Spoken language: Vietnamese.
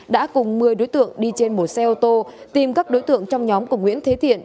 đã cùng một mươi đối tượng đi trên một xe ô tô tìm các đối tượng trong nhóm của nguyễn thế thiện